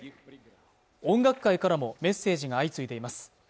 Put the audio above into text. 音楽界からもメッセージが相次いでいます